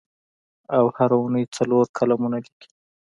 او هره اوونۍ څلور کالمونه لیکي.